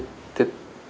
mau tidur mi